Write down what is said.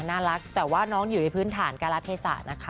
น่ารักแต่ว่าน้องอยู่พื้นฐานกรทธศาสตร์